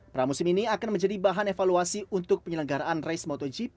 pramusim ini akan menjadi bahan evaluasi untuk penyelenggaraan race motogp